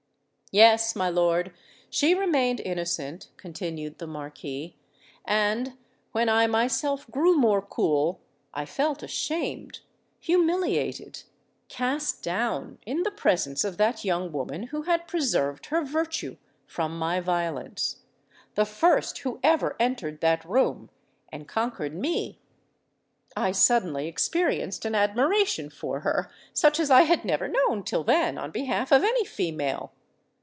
"Yes, my lord—she remained innocent," continued the Marquis; "and, when I myself grew more cool, I felt ashamed—humiliated—cast down, in the presence of that young woman who had preserved her virtue from my violence,—the first who ever entered that room and conquered me! I suddenly experienced an admiration for her—such as I had never known till then on behalf of any female!